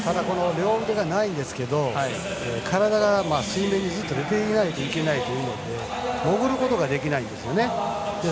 両腕がないんですけど体が、水面にずっと出ていないといけないというので潜ることができないんです。